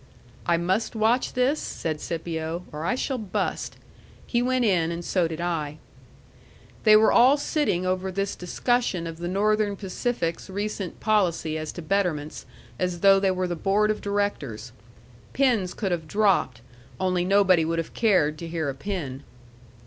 "I must watch this," said Scipio, "or I shall bust." He went in, and so did I. They were all sitting over this discussion of the Northern Pacific's recent policy as to betterments, as though they were the board of directors. Pins could have dropped. Only nobody would have cared to hear a pin.